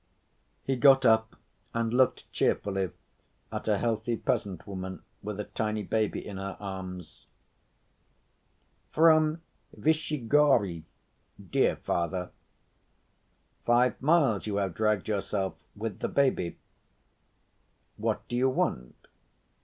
He got up and looked cheerfully at a healthy peasant woman with a tiny baby in her arms. "From Vyshegorye, dear Father." "Five miles you have dragged yourself with the baby. What do you want?"